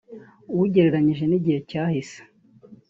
ugereranyije n’igihe cyahise